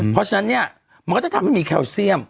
เพราะฉะนั้นเนี่ยมันก็จะทำให้มีแคลเซียม